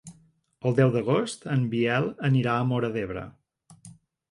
El deu d'agost en Biel anirà a Móra d'Ebre.